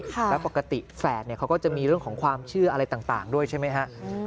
แล้วปกติแฝดเนี่ยเขาก็จะมีเรื่องของความเชื่ออะไรต่างด้วยใช่ไหมฮะ